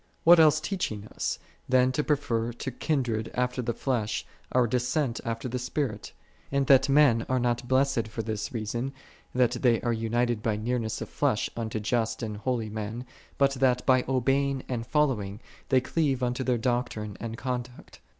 '" What else teaching us, than to pre fer to kindred after the flesh, our descent after the Spirit: and that men are not blessed for this reason, that they are united by nearness of flesh unto just and holy men, but that, by obeying and following, they cleave unto their doctrine and conduct.